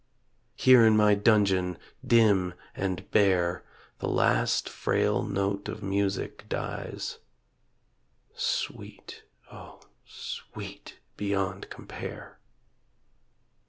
Here in my dungeon dim and bare The last frail not of music dies Sweet, O sweet beyond compare.